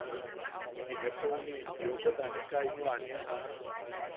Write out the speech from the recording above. Inepo juni jiokot aneka ino ania?